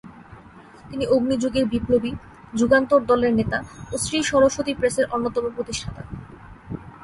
তিনি অগ্নিযুগের বিপ্লবী, যুগান্তর দলের নেতা ও শ্রীসরস্বতী প্রেসের অন্যতম প্রতিষ্ঠাতা।